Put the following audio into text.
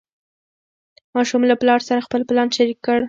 ماشوم له پلار سره خپل پلان شریک کړ